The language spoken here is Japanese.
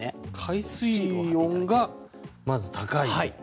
海水温がまず高いと。